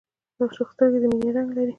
د عاشق سترګې د مینې رنګ لري